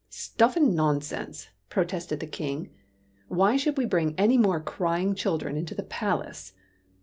"Stuff and nonsense!" protested the King. " Why should we bring any more crying chil dren into the palace